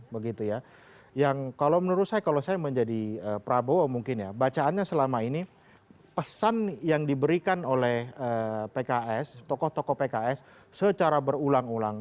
begitu ya yang kalau menurut saya kalau saya menjadi prabowo mungkin ya bacaannya selama ini pesan yang diberikan oleh pks tokoh tokoh pks secara berulang ulang